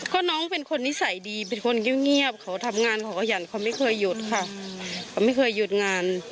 ก็น้องเป็นคนนิสัยดีเป็นคนเงียบเขาทำงานเขาขยันเขาไม่เคยหยุดค่ะเขาไม่เคยหยุดงาน